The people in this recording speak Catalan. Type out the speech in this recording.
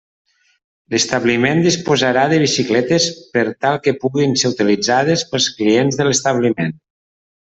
L'establiment disposarà de bicicletes per tal que puguin ser utilitzades pels clients de l'establiment.